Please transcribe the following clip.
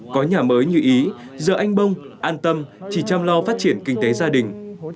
có nhà mới như ý giờ anh bông an tâm chỉ chăm lo phát triển kinh tế gia đình